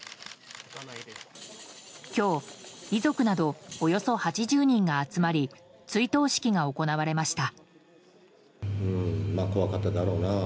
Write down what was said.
今日、遺族などおよそ８０人が集まり追悼式が行われました。